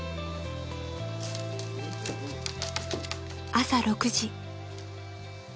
［朝６時］